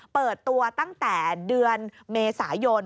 เปิดตัวตั้งแต่เดือนเมษายน